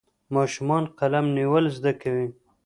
ماشومان قلم نیول زده کوي.